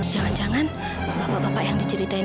jangan jangan bapak bapak yang diceritain